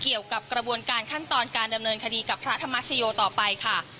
เกี่ยวกับกระบวนการขั้นตอนการดำเนินคดีกับพระธรรมชโยต่อไปค่ะ